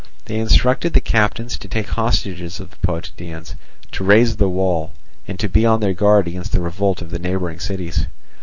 They instructed the captains to take hostages of the Potidæans, to raze the wall, and to be on their guard against the revolt of the neighbouring cities.